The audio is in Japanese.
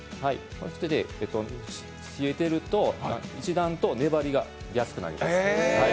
冷えてると、一段と粘りやすくなります。